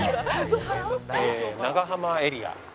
長浜エリア。